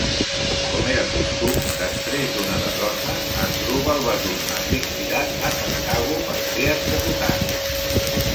Com era costum després d'una derrota, Hasdrubal va tornar a ser cridat a Carthage per ser executat.